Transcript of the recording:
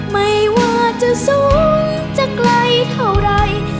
ไม่ว่าจะสูงจะไกลเท่าไร